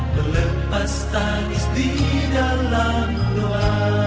melepas tangis di dalam doa